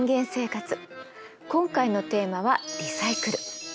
今回のテーマは「リサイクル」。